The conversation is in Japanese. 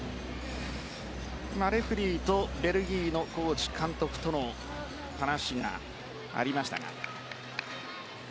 レフェリーとベルギーのコーチ、監督との話がありましたが。